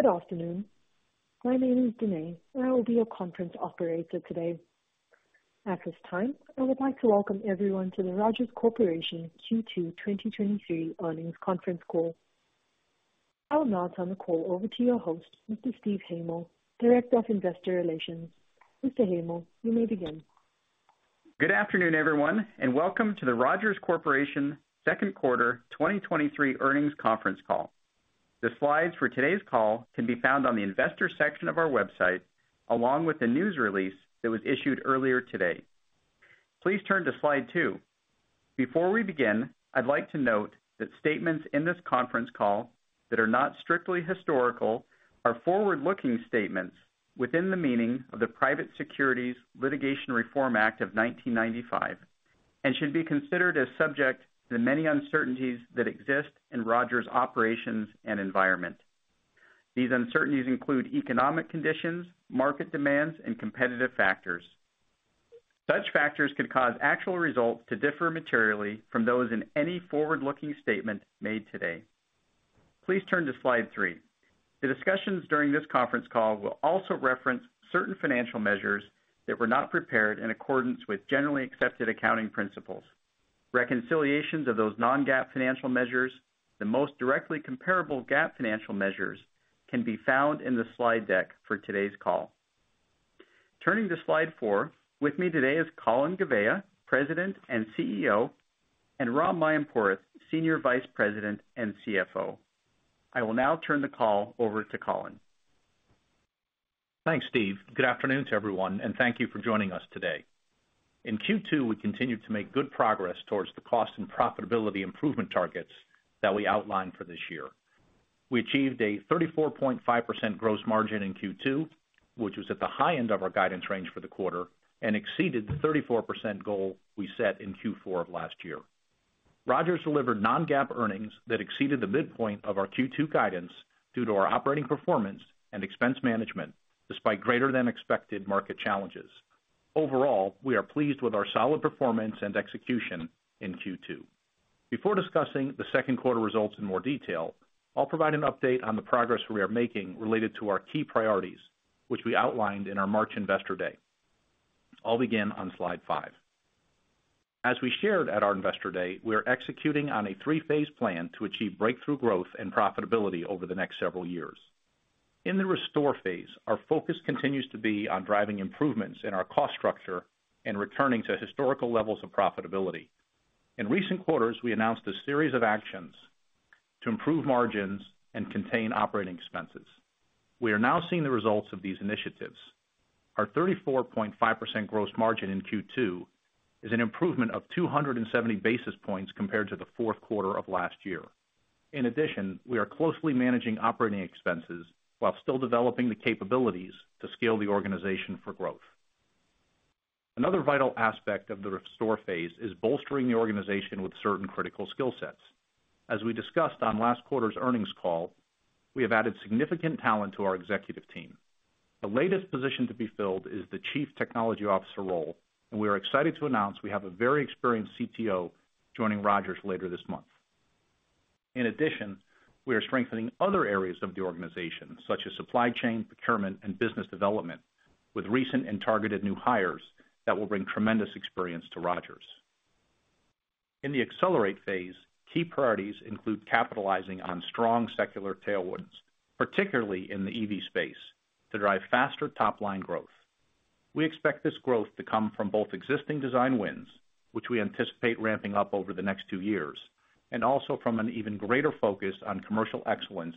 Good afternoon. My name is Danae. I will be your conference operator today. At this time, I would like to welcome everyone to the Rogers Corporation Q2 2023 Earnings Conference Call. I'll now turn the call over to your host, Mr. Steve Haymore, Director of Investor Relations. Mr. Haymore, you may begin. Good afternoon, everyone, welcome to the Rogers Corporation Second Quarter 2023 Earnings Conference Call. The slides for today's call can be found on the investor section of our website, along with the news release that was issued earlier today. Please turn to slide 2. Before we begin, I'd like to note that statements in this conference call that are not strictly historical are forward-looking statements within the meaning of the Private Securities Litigation Reform Act of 1995, and should be considered as subject to the many uncertainties that exist in Rogers' operations and environment. These uncertainties include economic conditions, market demands, and competitive factors. Such factors could cause actual results to differ materially from those in any forward-looking statement made today. Please turn to slide 3. The discussions during this conference call will also reference certain financial measures that were not prepared in accordance with generally accepted accounting principles. Reconciliations of those non-GAAP financial measures, the most directly comparable GAAP financial measures, can be found in the slide deck for today's call. Turning to slide four, with me today is Colin Gouveia, President and CEO, and Ram Mayampurath, Senior Vice President and CFO. I will now turn the call over to Colin. Thanks, Steve. Good afternoon to everyone, thank you for joining us today. In Q2, we continued to make good progress towards the cost and profitability improvement targets that we outlined for this year. We achieved a 34.5% gross margin in Q2, which was at the high end of our guidance range for the quarter and exceeded the 34% goal we set in Q4 of last year. Rogers delivered non-GAAP earnings that exceeded the midpoint of our Q2 guidance due to our operating performance and expense management, despite greater than expected market challenges. Overall, we are pleased with our solid performance and execution in Q2. Before discussing the second quarter results in more detail, I'll provide an update on the progress we are making related to our key priorities, which we outlined in our March Investor Day. I'll begin on slide 5. As we shared at our Investor Day, we are executing on a 3-phase plan to achieve breakthrough growth and profitability over the next several years. In the restore phase, our focus continues to be on driving improvements in our cost structure and returning to historical levels of profitability. In recent quarters, we announced a series of actions to improve margins and contain operating expenses. We are now seeing the results of these initiatives. Our 34.5% gross margin in Q2 is an improvement of 270 basis points compared to the fourth quarter of last year. In addition, we are closely managing operating expenses while still developing the capabilities to scale the organization for growth. Another vital aspect of the restore phase is bolstering the organization with certain critical skill sets. As we discussed on last quarter's earnings call, we have added significant talent to our executive team. The latest position to be filled is the Chief Technology Officer role, and we are excited to announce we have a very experienced CTO joining Rogers later this month. In addition, we are strengthening other areas of the organization, such as supply chain, procurement, and business development, with recent and targeted new hires that will bring tremendous experience to Rogers. In the accelerate phase, key priorities include capitalizing on strong secular tailwinds, particularly in the EV space, to drive faster top-line growth. We expect this growth to come from both existing design wins, which we anticipate ramping up over the next two years, and also from an even greater focus on commercial excellence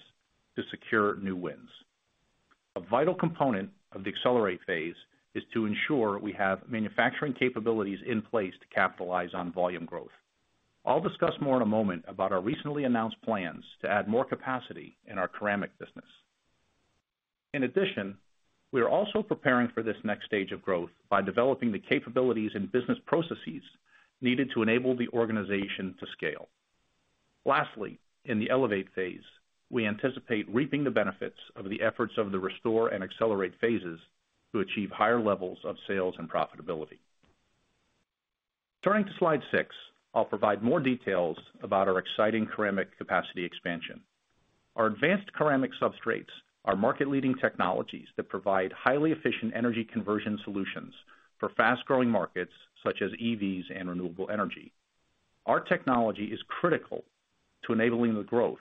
to secure new wins. A vital component of the accelerate phase is to ensure we have manufacturing capabilities in place to capitalize on volume growth. I'll discuss more in a moment about our recently announced plans to add more capacity in our ceramic business. In addition, we are also preparing for this next stage of growth by developing the capabilities and business processes needed to enable the organization to scale. Lastly, in the elevate phase, we anticipate reaping the benefits of the efforts of the restore and accelerate phases to achieve higher levels of sales and profitability. Turning to slide 6, I'll provide more details about our exciting ceramic capacity expansion. Our advanced ceramic substrates are market-leading technologies that provide highly efficient energy conversion solutions for fast-growing markets, such as EVs and renewable energy. Our technology is critical to enabling the growth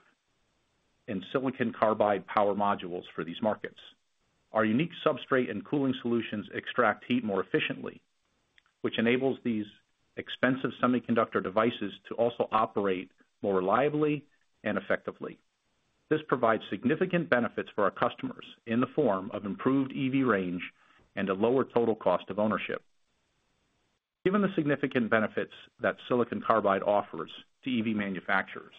in silicon carbide power modules for these markets. Our unique substrate and cooling solutions extract heat more efficiently, which enables these expensive semiconductor devices to also operate more reliably and effectively. This provides significant benefits for our customers in the form of improved EV range and a lower total cost of ownership. Given the significant benefits that silicon carbide offers to EV manufacturers,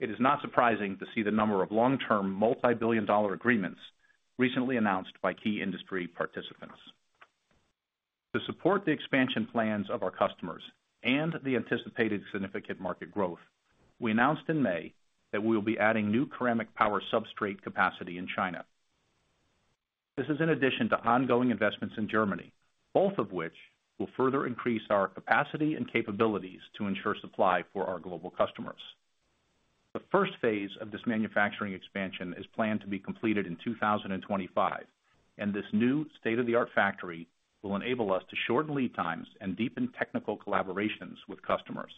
it is not surprising to see the number of long-term, multi-billion dollar agreements recently announced by key industry participants. To support the expansion plans of our customers and the anticipated significant market growth, we announced in May that we will be adding new ceramic power substrate capacity in China. This is in addition to ongoing investments in Germany, both of which will further increase our capacity and capabilities to ensure supply for our global customers. The first phase of this manufacturing expansion is planned to be completed in 2025, and this new state-of-the-art factory will enable us to shorten lead times and deepen technical collaborations with customers.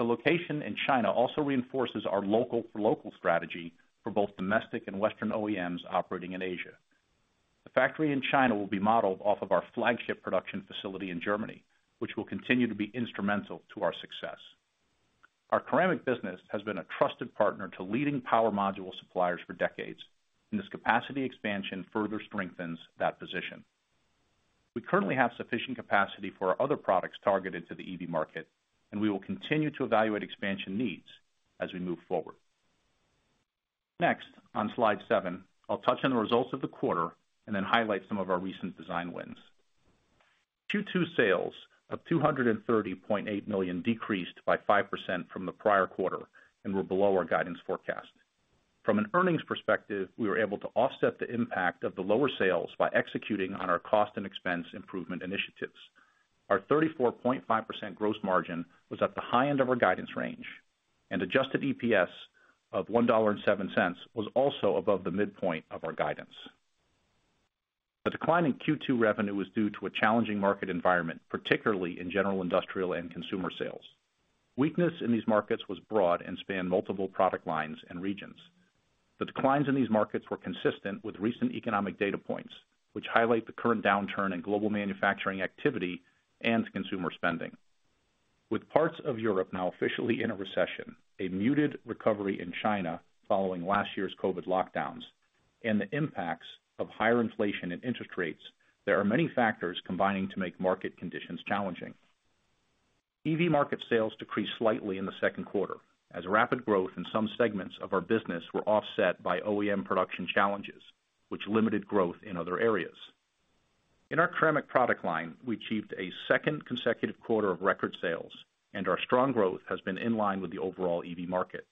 The location in China also reinforces our local for local strategy for both domestic and Western OEMs operating in Asia. The factory in China will be modeled off of our flagship production facility in Germany, which will continue to be instrumental to our success. Our ceramic business has been a trusted partner to leading power module suppliers for decades, and this capacity expansion further strengthens that position. We currently have sufficient capacity for our other products targeted to the EV market, and we will continue to evaluate expansion needs as we move forward. Next, on slide 7, I'll touch on the results of the quarter and then highlight some of our recent design wins. Q2 sales of $230.8 million decreased by 5% from the prior quarter and were below our guidance forecast. From an earnings perspective, we were able to offset the impact of the lower sales by executing on our cost and expense improvement initiatives. Our 34.5% gross margin was at the high end of our guidance range, and adjusted EPS of $1.07 was also above the midpoint of our guidance. The decline in Q2 revenue was due to a challenging market environment, particularly in general industrial and consumer sales. Weakness in these markets was broad and spanned multiple product lines and regions. The declines in these markets were consistent with recent economic data points, which highlight the current downturn in global manufacturing activity and consumer spending. Parts of Europe now officially in a recession, a muted recovery in China following last year's COVID lockdowns, and the impacts of higher inflation and interest rates, there are many factors combining to make market conditions challenging. EV market sales decreased slightly in the second quarter, as rapid growth in some segments of our business were offset by OEM production challenges, which limited growth in other areas. In our ceramic product line, we achieved a second consecutive quarter of record sales, our strong growth has been in line with the overall EV market.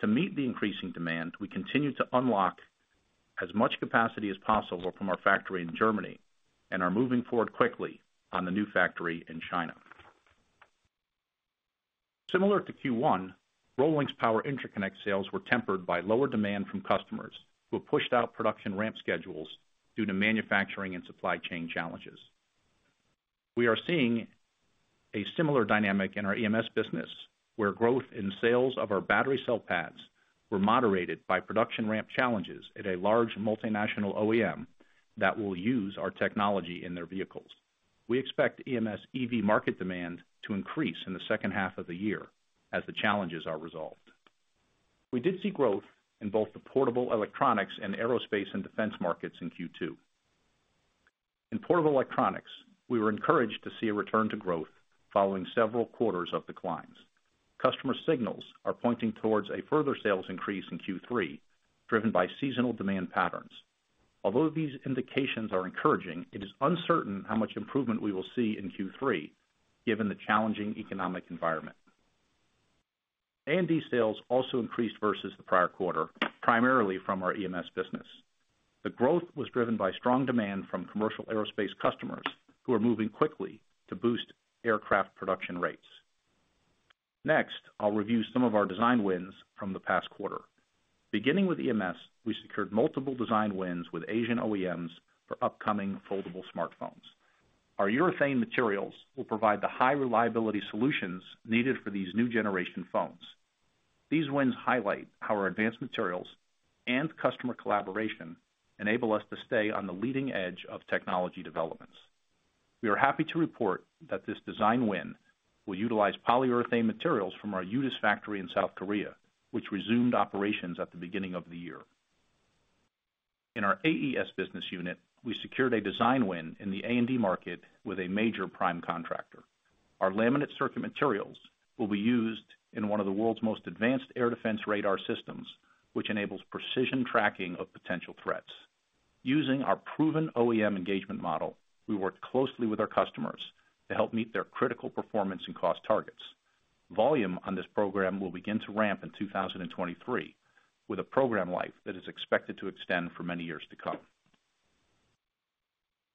To meet the increasing demand, we continue to unlock as much capacity as possible from our factory in Germany and are moving forward quickly on the new factory in China. Similar to Q1, ROLINX power interconnect sales were tempered by lower demand from customers, who pushed out production ramp schedules due to manufacturing and supply chain challenges. We are seeing a similar dynamic in our EMS business, where growth in sales of our battery cell pads were moderated by production ramp challenges at a large multinational OEM that will use our technology in their vehicles. We expect EMS EV market demand to increase in the second half of the year as the challenges are resolved. We did see growth in both the portable electronics and aerospace and defense markets in Q2. In portable electronics, we were encouraged to see a return to growth following several quarters of declines. Customer signals are pointing towards a further sales increase in Q3, driven by seasonal demand patterns. Although these indications are encouraging, it is uncertain how much improvement we will see in Q3, given the challenging economic environment. A&D sales also increased versus the prior quarter, primarily from our EMS business. The growth was driven by strong demand from commercial aerospace customers, who are moving quickly to boost aircraft production rates. Next, I'll review some of our design wins from the past quarter. Beginning with EMS, we secured multiple design wins with Asian OEMs for upcoming foldable smartphones. Our urethane materials will provide the high reliability solutions needed for these new generation phones. These wins highlight how our advanced materials and customer collaboration enable us to stay on the leading edge of technology developments. We are happy to report that this design win will utilize polyurethane materials from our UTIS factory in South Korea, which resumed operations at the beginning of the year. In our AES business unit, we secured a design win in the A&D market with a major prime contractor. Our laminate circuit materials will be used in one of the world's most advanced air defense radar systems, which enables precision tracking of potential threats. Using our proven OEM engagement model, we work closely with our customers to help meet their critical performance and cost targets. Volume on this program will begin to ramp in 2023, with a program life that is expected to extend for many years to come.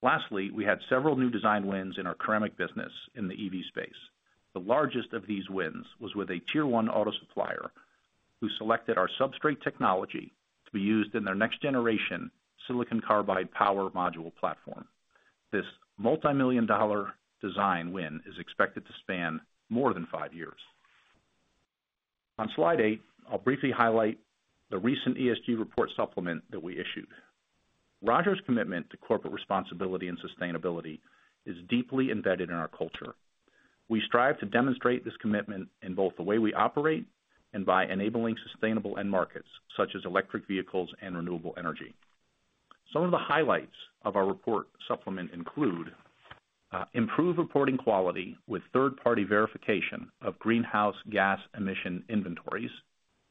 Lastly, we had several new design wins in our ceramic business in the EV space. The largest of these wins was with a tier one auto supplier, who selected our substrate technology to be used in their next generation silicon carbide power module platform. This multimillion dollar design win is expected to span more than five years. On slide eight, I'll briefly highlight the recent ESG report supplement that we issued. Rogers' commitment to corporate responsibility and sustainability is deeply embedded in our culture. We strive to demonstrate this commitment in both the way we operate and by enabling sustainable end markets, such as electric vehicles and renewable energy. Some of the highlights of our report supplement include improved reporting quality with third-party verification of greenhouse gas emission inventories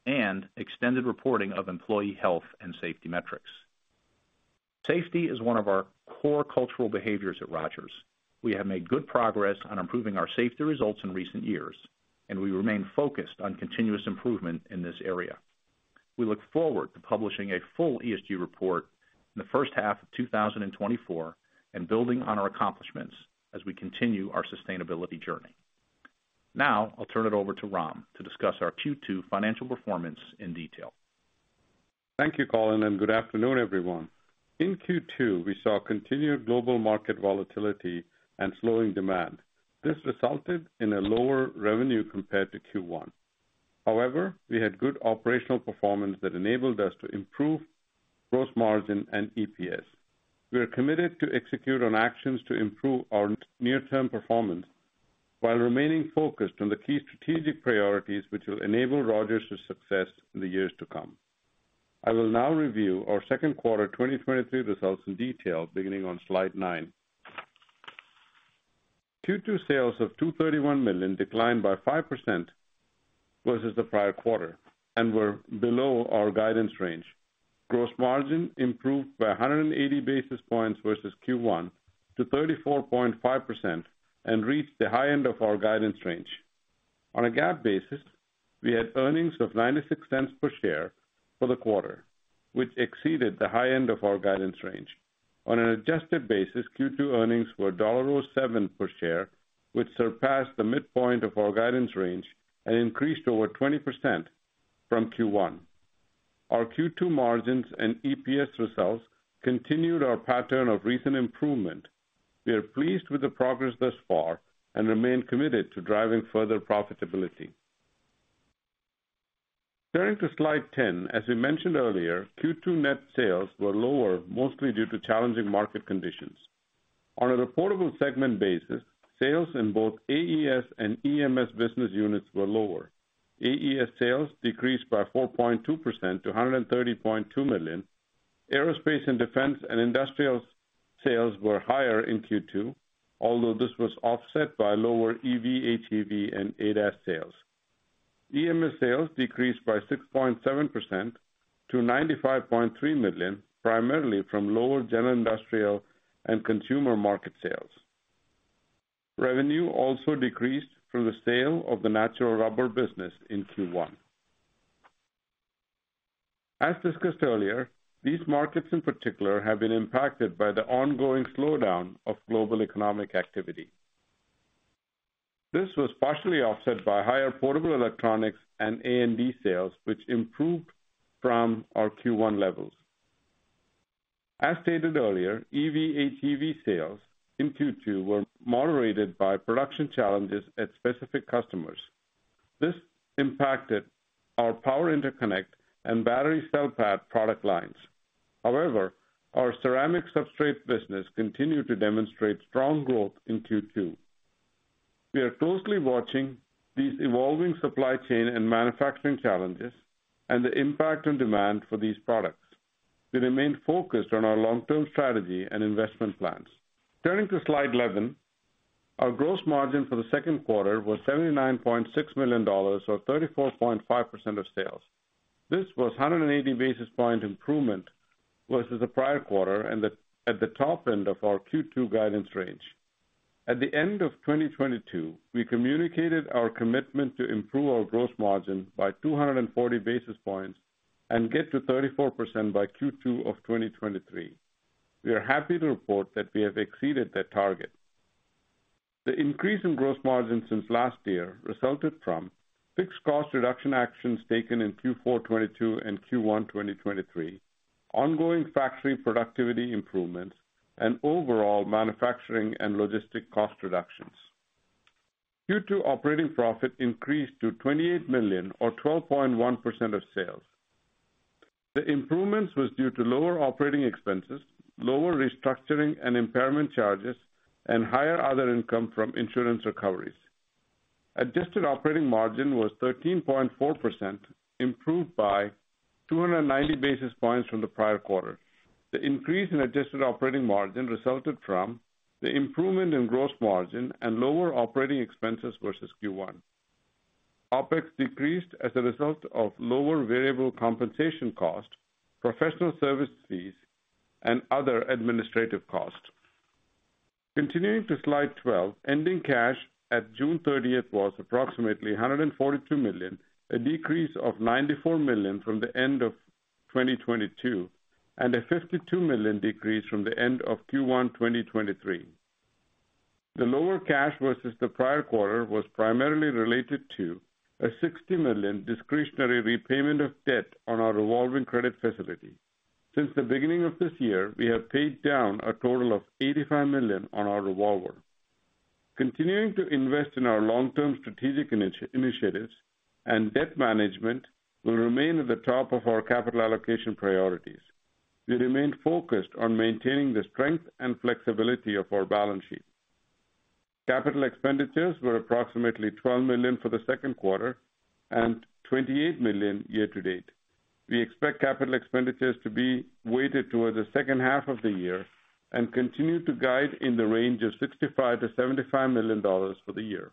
and extended reporting of employee health and safety metrics. Safety is one of our core cultural behaviors at Rogers. We have made good progress on improving our safety results in recent years. We remain focused on continuous improvement in this area. We look forward to publishing a full ESG report in the first half of 2024, and building on our accomplishments as we continue our sustainability journey. Now I'll turn it over to Ram to discuss our Q2 financial performance in detail. Thank you, Colin, and good afternoon, everyone. In Q2, we saw continued global market volatility and slowing demand. This resulted in a lower revenue compared to Q1. However, we had good operational performance that enabled us to improve gross margin and EPS. We are committed to execute on actions to improve our near-term performance, while remaining focused on the key strategic priorities which will enable Rogers' success in the years to come. I will now review our second quarter 2023 results in detail, beginning on slide 9. Q2 sales of $231 million declined by 5% versus the prior quarter and were below our guidance range. Gross margin improved by 180 basis points versus Q1 to 34.5% and reached the high end of our guidance range. On a GAAP basis, we had earnings of $0.96 per share for the quarter, which exceeded the high end of our guidance range. On an adjusted basis, Q2 earnings were $1.07 per share, which surpassed the midpoint of our guidance range and increased over 20% from Q1. Our Q2 margins and EPS results continued our pattern of recent improvement. We are pleased with the progress thus far and remain committed to driving further profitability. Turning to slide 10, as we mentioned earlier, Q2 net sales were lower, mostly due to challenging market conditions. On a reportable segment basis, sales in both AES and EMS business units were lower. AES sales decreased by 4.2% to $130.2 million. Aerospace and Defense and Industrial sales were higher in Q2, although this was offset by lower EV, HEV, and ADAS sales. EMS sales decreased by 6.7% to $95.3 million, primarily from lower general industrial and consumer market sales. Revenue also decreased from the sale of the natural rubber business in Q1. As discussed earlier, these markets in particular, have been impacted by the ongoing slowdown of global economic activity. This was partially offset by higher portable electronics and A&D sales, which improved from our Q1 levels. As stated earlier, EV, HEV sales in Q2 were moderated by production challenges at specific customers. This impacted our power interconnect and battery cell pad product lines. However, our ceramic substrate business continued to demonstrate strong growth in Q2. We are closely watching these evolving supply chain and manufacturing challenges and the impact on demand for these products. We remain focused on our long-term strategy and investment plans. Turning to slide 11. Our gross margin for the second quarter was $79.6 million, or 34.5% of sales. This was a 180 basis point improvement versus the prior quarter, and at the top end of our Q2 guidance range. At the end of 2022, we communicated our commitment to improve our gross margin by 240 basis points and get to 34% by Q2 of 2023. We are happy to report that we have exceeded that target. The increase in gross margin since last year resulted from fixed cost reduction actions taken in Q4 2022 and Q1 2023, ongoing factory productivity improvements, and overall manufacturing and logistic cost reductions. Q2 operating profit increased to $28 million or 12.1% of sales. The improvements was due to lower operating expenses, lower restructuring and impairment charges, and higher other income from insurance recoveries. Adjusted operating margin was 13.4%, improved by 290 basis points from the prior quarter. The increase in adjusted operating margin resulted from the improvement in gross margin and lower operating expenses versus Q1. OpEx decreased as a result of lower variable compensation costs, professional service fees, and other administrative costs. Continuing to slide 12, ending cash at June 30th was approximately $142 million, a decrease of $94 million from the end of 2022, and a $52 million decrease from the end of Q1 2023. The lower cash versus the prior quarter was primarily related to a $60 million discretionary repayment of debt on our revolving credit facility. Since the beginning of this year, we have paid down a total of $85 million on our revolver. Continuing to invest in our long-term strategic initiatives and debt management will remain at the top of our capital allocation priorities. We remain focused on maintaining the strength and flexibility of our balance sheet. Capital expenditures were approximately $12 million for the second quarter and $28 million year to date. We expect capital expenditures to be weighted toward the second half of the year and continue to guide in the range of $65 million-$75 million for the year.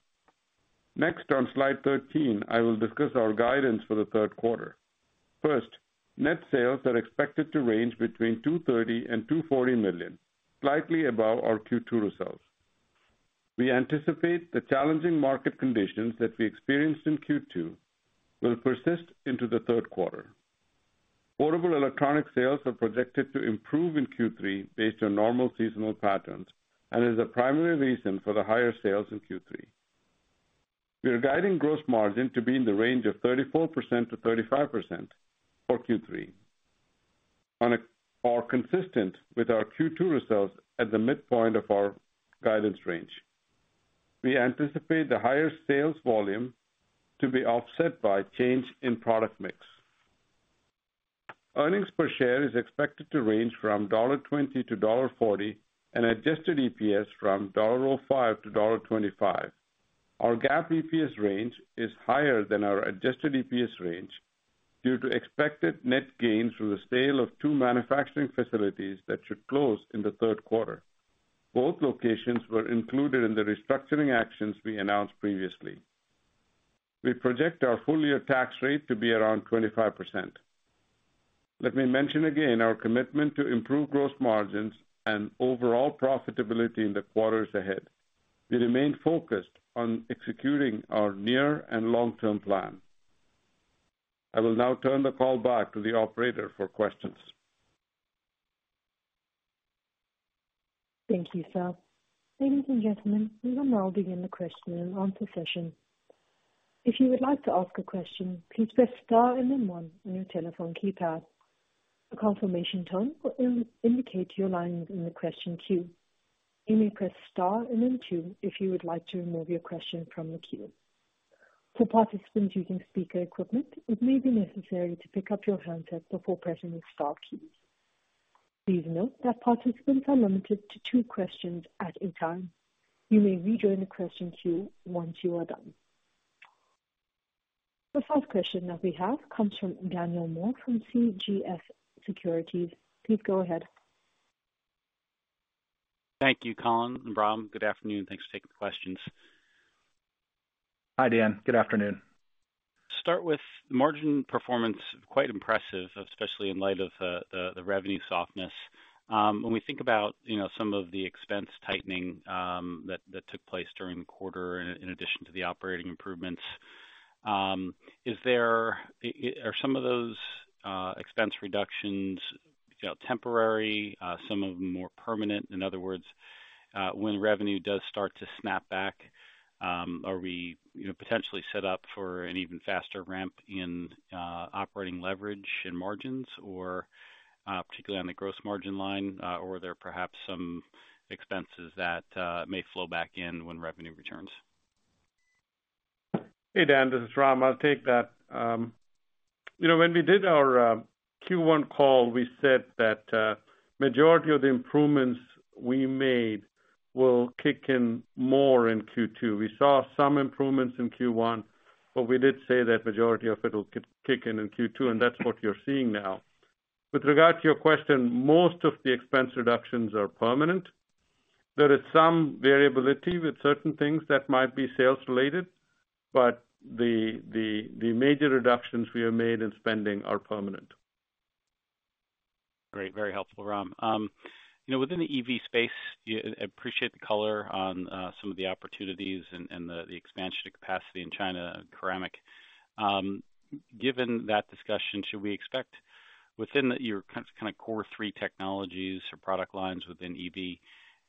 Next, on slide 13, I will discuss our guidance for the third quarter. First, net sales are expected to range between $230 million and $240 million, slightly above our Q2 results. We anticipate the challenging market conditions that we experienced in Q2 will persist into the third quarter. Portable electronic sales are projected to improve in Q3 based on normal seasonal patterns, and is the primary reason for the higher sales in Q3. We are guiding gross margin to be in the range of 34%-35% for Q3. Are consistent with our Q2 results at the midpoint of our guidance range. We anticipate the higher sales volume to be offset by change in product mix. Earnings per share is expected to range from $1.20-$1.40, and adjusted EPS from $1.05-$1.25. Our GAAP EPS range is higher than our adjusted EPS range, due to expected net gains from the sale of two manufacturing facilities that should close in the third quarter. Both locations were included in the restructuring actions we announced previously. We project our full-year tax rate to be around 25%. Let me mention again our commitment to improve gross margins and overall profitability in the quarters ahead. We remain focused on executing our near and long-term plan. I will now turn the call back to the operator for questions. Thank you, Sal. Ladies and gentlemen, we will now begin the question and answer session. If you would like to ask a question, please press star and then one on your telephone keypad. A confirmation tone will indicate your line is in the question queue. You may press star and then two, if you would like to remove your question from the queue. For participants using speaker equipment, it may be necessary to pick up your handset before pressing the star keys. Please note that participants are limited to two questions at a time. You may rejoin the question queue once you are done. The first question that we have comes from Daniel Moore from CJS Securities. Please go ahead. Thank you, Colin and Ram. Good afternoon, thanks for taking the questions. Hi, Dan. Good afternoon. Start with margin performance, quite impressive, especially in light of the, the, the revenue softness. When we think about, you know, some of the expense tightening, that, that took place during the quarter in, in addition to the operating improvements, are some of those expense reductions, you know, temporary, some of them more permanent? In other words, when revenue does start to snap back, are we, you know, potentially set up for an even faster ramp in operating leverage and margins, or particularly on the gross margin line, or are there perhaps some expenses that may flow back in when revenue returns? Hey, Dan, this is Ram. I'll take that. you know, when we did our Q1 call, we said that majority of the improvements we made will kick in more in Q2. We saw some improvements in Q1, but we did say that majority of it will kick in, in Q2, and that's what you're seeing now. With regard to your question, most of the expense reductions are permanent. There is some variability with certain things that might be sales related, but the, the, the major reductions we have made in spending are permanent. Great, very helpful, Ram. You know, within the EV space, yeah, I appreciate the color on some of the opportunities and, and the, the expansion of capacity in China, ceramic. Given that discussion, should we expect within your kind of, kind of core three technologies or product lines within EV,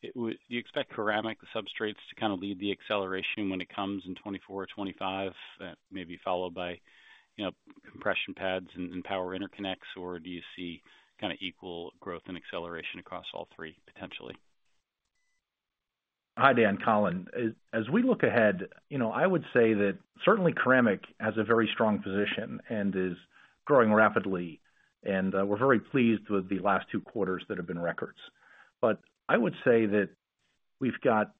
do you expect ceramic substrates to kind of lead the acceleration when it comes in 2024 or 2025, maybe followed by, you know, compression pads and, and power interconnects, or do you see kind of equal growth and acceleration across all three, potentially? Hi, Dan, Colin. As we look ahead, you know, I would say that certainly ceramic has a very strong position and is growing rapidly, and we're very pleased with the last 2 quarters that have been records. I would say that we've got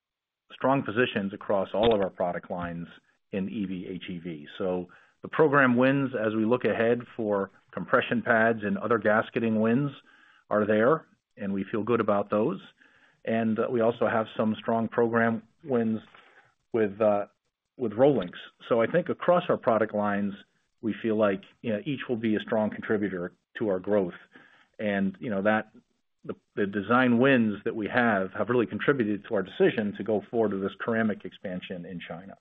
strong positions across all of our product lines in EV, HEV. The program wins as we look ahead for compression pads and other gasketing wins are there, and we feel good about those. We also have some strong program wins with ROLINX. I think across our product lines, we feel like, you know, each will be a strong contributor to our growth. You know, that the design wins that we have, have really contributed to our decision to go forward with this ceramic expansion in China.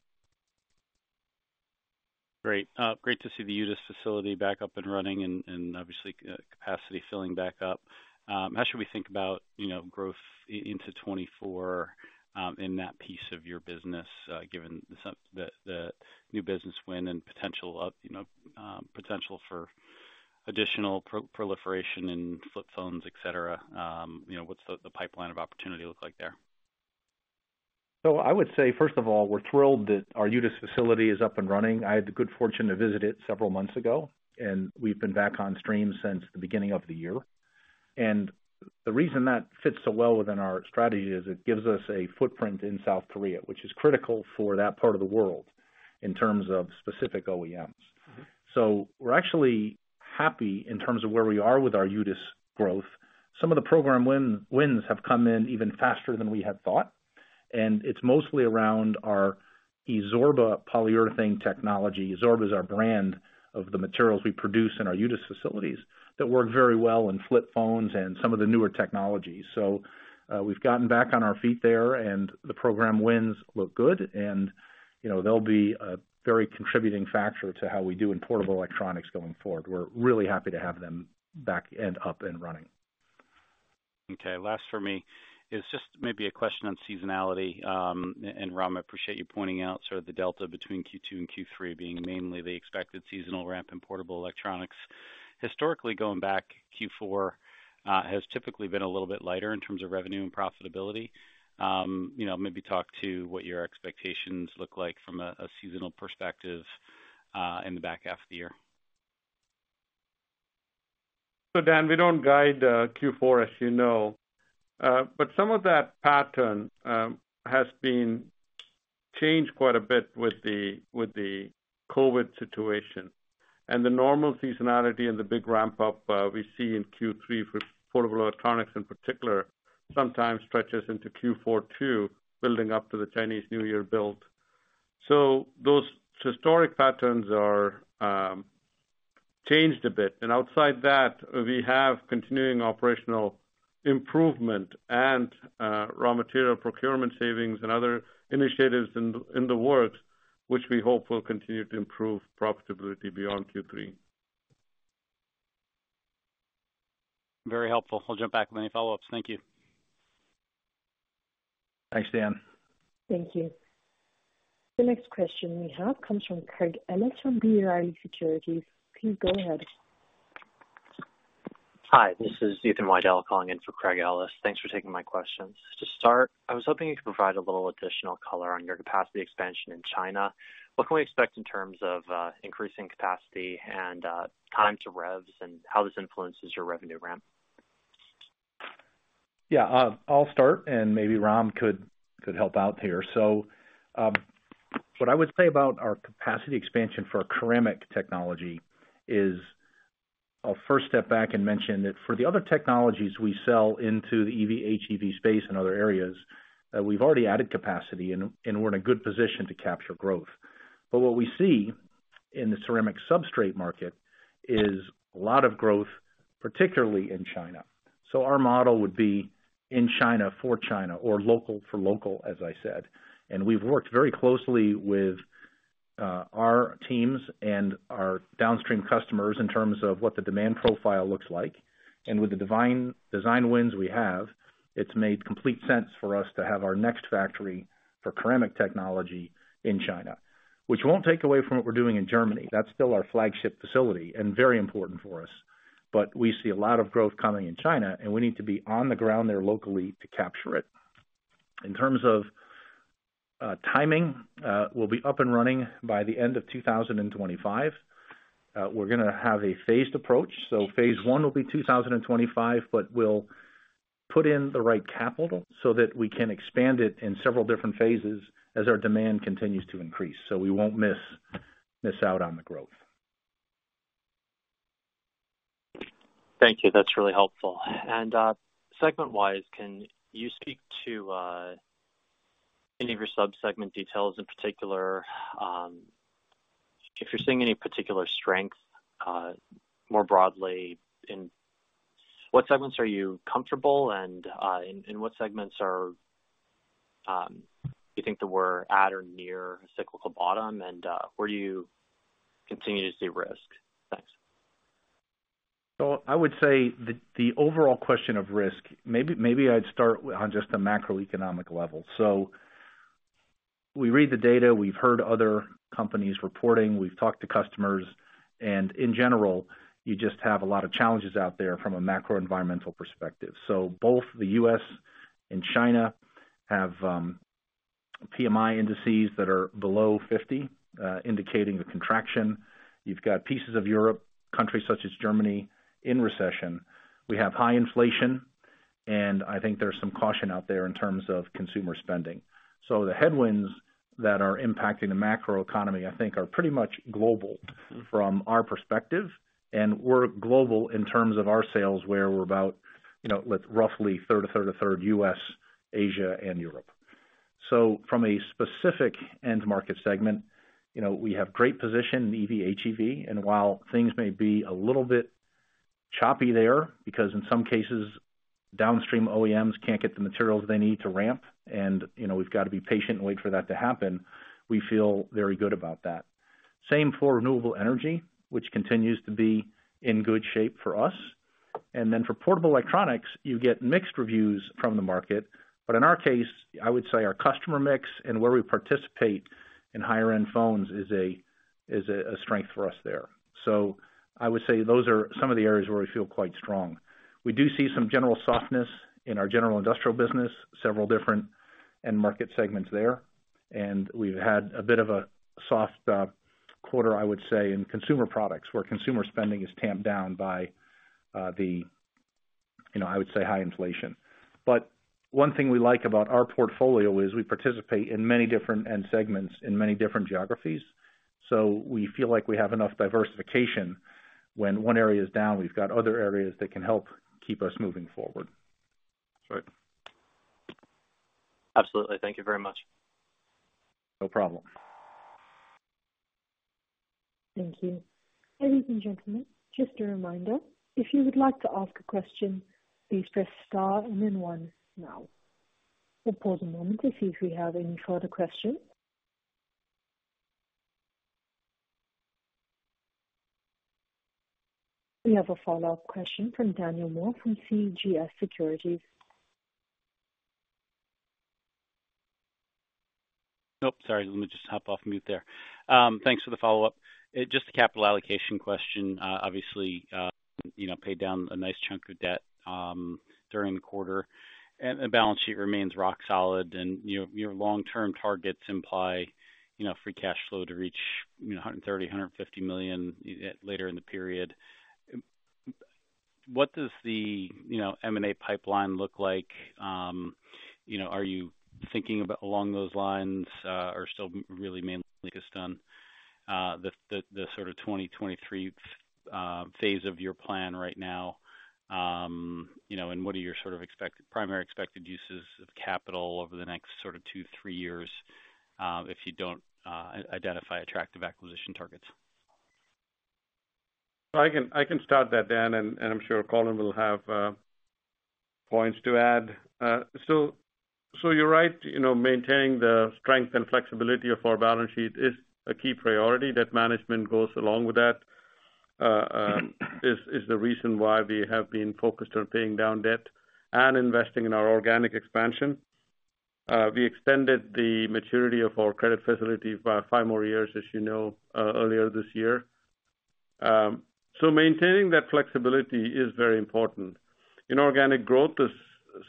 Great. Great to see the UTIS facility back up and running and, and obviously, capacity filling back up. How should we think about, you know, growth into 2024, in that piece of your business, given the new business win and potential of, you know, potential for additional proliferation in flip phones, et cetera, you know, what's the, the pipeline of opportunity look like there? I would say, first of all, we're thrilled that our UTIS facility is up and running. I had the good fortune to visit it several months ago, and we've been back on stream since the beginning of the year. The reason that fits so well within our strategy is it gives us a footprint in South Korea, which is critical for that part of the world in terms of specific OEMs. We're actually happy in terms of where we are with our UTIS growth. Some of the program win-wins have come in even faster than we had thought. It's mostly around our Exorba polyurethane technology. Exorba is our brand of the materials we produce in our UTIS facilities, that work very well in flip phones and some of the newer technologies. We've gotten back on our feet there, and the program wins look good, and, you know, they'll be a very contributing factor to how we do in portable electronics going forward. We're really happy to have them back and up, and running. Okay. Last for me is just maybe a question on seasonality. Ram, I appreciate you pointing out sort of the delta between Q2 and Q3 being mainly the expected seasonal ramp in portable electronics. Historically, going back, Q4, has typically been a little bit lighter in terms of revenue and profitability. You know, maybe talk to what your expectations look like from a, a seasonal perspective, in the back half of the year. Dan, we don't guide Q4, as you know. Some of that pattern has been changed quite a bit with the, with the COVID situation. The normal seasonality and the big ramp up we see in Q3 for portable electronics in particular, sometimes stretches into Q4, too, building up to the Chinese New Year build. Those historic patterns are changed a bit, and outside that, we have continuing operational improvement and raw material procurement savings and other initiatives in the, in the works, which we hope will continue to improve profitability beyond Q3. Very helpful. I'll jump back with any follow-ups. Thank you. Thanks, Dan. Thank you. The next question we have comes from Craig Ellis from B. Riley Securities. Please go ahead. Hi, this is Ethan Widell calling in for Craig Ellis. Thanks for taking my questions. To start, I was hoping you could provide a little additional color on your capacity expansion in China. What can we expect in terms of increasing capacity and time to revs and how this influences your revenue ramp? Yeah, I'll start, and maybe Ram could, could help out here. What I would say about our capacity expansion for ceramic technology is I'll first step back and mention that for the other technologies we sell into the EV, HEV space and other areas, we've already added capacity and, and we're in a good position to capture growth. What we see in the ceramic substrate market is a lot of growth, particularly in China. Our model would be in China for China or local for local, as I said. We've worked very closely with our teams and our downstream customers in terms of what the demand profile looks like. With the design wins we have, it's made complete sense for us to have our next factory for ceramic technology in China. Won't take away from what we're doing in Germany. That's still our flagship facility and very important for us. We see a lot of growth coming in China, and we need to be on the ground there locally to capture it. In terms of timing, we'll be up and running by the end of 2025. We're gonna have a phased approach, Phase one will be 2025, but we'll put in the right capital so that we can expand it in several different phases as our demand continues to increase, We won't miss, miss out on the growth. Thank you. That's really helpful. Segment-wise, can you speak to any of your sub-segment details, in particular, if you're seeing any particular strength, more broadly, in what segments are you comfortable and in what segments are you think that we're at or near a cyclical bottom, and where do you continue to see risk? Thanks. I would say the, the overall question of risk, maybe, maybe I'd start on just the macroeconomic level. We read the data, we've heard other companies reporting, we've talked to customers, and in general, you just have a lot of challenges out there from a macro environmental perspective. Both the US and China have PMI indices that are below 50, indicating the contraction. You've got pieces of Europe, countries such as Germany, in recession. We have high inflation, and I think there's some caution out there in terms of consumer spending. The headwinds that are impacting the macroeconomy, I think, are pretty much global from our perspective, and we're global in terms of our sales, where we're about, you know, roughly a third, a third, a third, US, Asia, and Europe. From a specific end market segment, you know, we have great position in EV, HEV, and while things may be a little bit choppy there, because in some cases, downstream OEMs can't get the materials they need to ramp, and, you know, we've got to be patient and wait for that to happen, we feel very good about that. Same for renewable energy, which continues to be in good shape for us. Then for portable electronics, you get mixed reviews from the market. In our case, I would say our customer mix and where we participate in higher-end phones is a, is a, a strength for us there. I would say those are some of the areas where we feel quite strong. We do see some general softness in our general industrial business, several different end market segments there, and we've had a bit of a soft quarter, I would say, in consumer products, where consumer spending is tamped down by the, you know, I would say, high inflation. One thing we like about our portfolio is we participate in many different end segments in many different geographies. We feel like we have enough diversification. When one area is down, we've got other areas that can help keep us moving forward. That's right. Absolutely. Thank you very much. No problem. Thank you. Ladies and gentlemen, just a reminder, if you would like to ask a question, please press star and then one now. We'll pause a moment to see if we have any further questions. We have a follow-up question from Daniel Moore from CJS Securities. Oh, sorry, let me just hop off mute there. Thanks for the follow-up. Just a capital allocation question? Obviously, you know, paid down a nice chunk of debt during the quarter, and the balance sheet remains rock solid. You know, your long-term targets imply, you know, free cash flow to reach, you know, $130 million-$150 million later in the period. What does the, you know, M&A pipeline look like? You know, are you thinking about along those lines, or still really mainly just on the sort of 2023 phase of your plan right now? You know, what are your sort of primary expected uses of capital over the next sort of two, three years, if you don't identify attractive acquisition targets? I can, I can start that, Dan, and, and I'm sure Colin will have points to add. So you're right, you know, maintaining the strength and flexibility of our balance sheet is a key priority. That management goes along with that is, is the reason why we have been focused on paying down debt and investing in our organic expansion. We extended the maturity of our credit facility by 5 more years, as you know, earlier this year. Maintaining that flexibility is very important. Inorganic growth is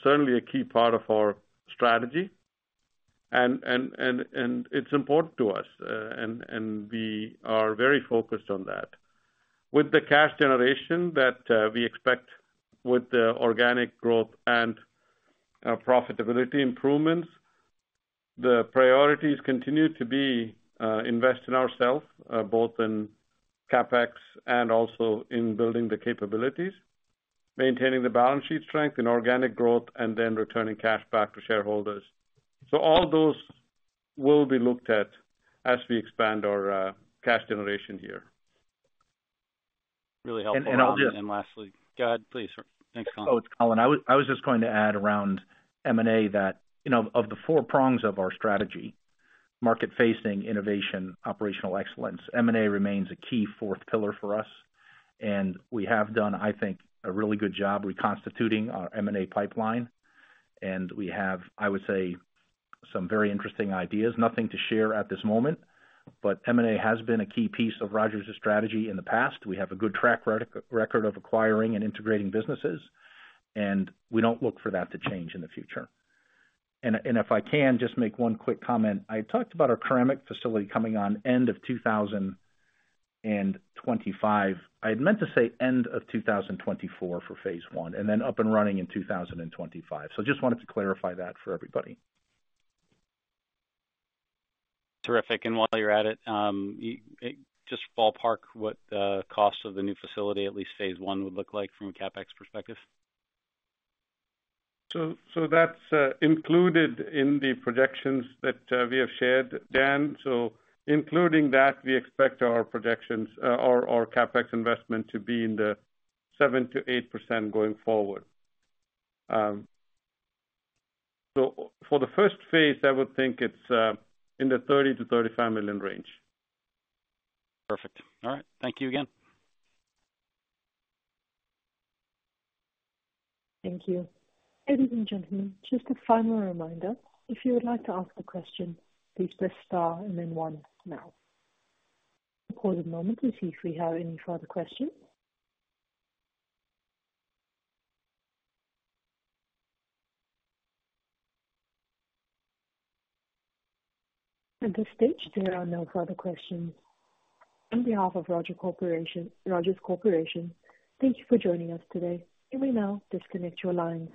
certainly a key part of our strategy, and, and, and, and it's important to us, and, and we are very focused on that. With the cash generation that we expect with the organic growth and profitability improvements, the priorities continue to be invest in ourselves, both in CapEx and also in building the capabilities, maintaining the balance sheet strength in organic growth, and then returning cash back to shareholders. All those will be looked at as we expand our cash generation here. Really helpful. and I'll Then lastly. Go ahead, please. Thanks, Colin. Oh, it's Colin. I was just going to add around M&A that, you know, of the four prongs of our strategy, market facing, innovation, operational excellence, M&A remains a key fourth pillar for us, and we have done, I think, a really good job reconstituting our M&A pipeline. We have, I would say, some very interesting ideas. Nothing to share at this moment, but M&A has been a key piece of Rogers' strategy in the past. We have a good track record of acquiring and integrating businesses, and we don't look for that to change in the future. If I can just make one quick comment. I talked about our ceramic facility coming on end of 2025. I'd meant to say end of 2024 for phase one, and then up and running in 2025. Just wanted to clarify that for everybody. Terrific. While you're at it, just ballpark what the cost of the new facility, at least phase 1, would look like from a CapEx perspective? That's included in the projections that we have shared, Dan. Including that, we expect our projections, our, our CapEx investment to be in the 7%-8% going forward. For the first phase, I would think it's in the $30 million-$35 million range. Perfect. All right. Thank you again. Thank you. Ladies and gentlemen, just a final reminder, if you would like to ask a question, please press star and then one now. We'll pause a moment to see if we have any further questions. At this stage, there are no further questions. On behalf of Rogers Corporation, Rogers Corporation, thank you for joining us today. You may now disconnect your lines.